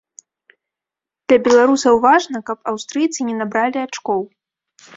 Для беларусаў важна, каб аўстрыйцы не набралі ачкоў.